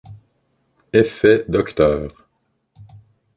Effet Dr.